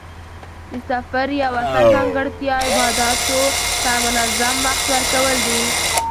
د سفر یوه ښه ځانګړتیا عباداتو ته منظم وخت ورکول دي.